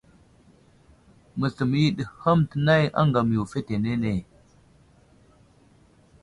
Məsləmo yo ɗi ham tənay aŋgam yo fetenene.